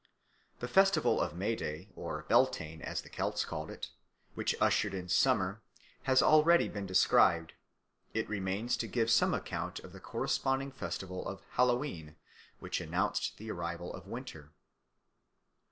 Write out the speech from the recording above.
The festival of May Day or Beltane, as the Celts called it, which ushered in summer, has already been described; it remains to give some account of the corresponding festival of Hallowe'en, which announced the arrival of winter.